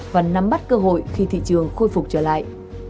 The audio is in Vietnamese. và nắm bắt cơ hội khi thị trường khôi phục trở lại